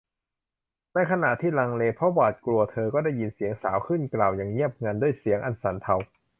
ในขณะที่ลังเลเพราะหวาดกลัวเธอก็ได้ยินหญิงสาวกล่าวขึ้นอย่างเงียบงัน ด้วยเสียงอันสั่นเทา